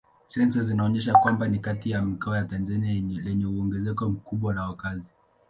Sensa zinaonyesha kwamba ni kati ya mikoa ya Tanzania yenye ongezeko kubwa la wakazi.